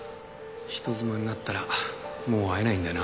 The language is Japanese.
人妻になったらもう会えないんだな。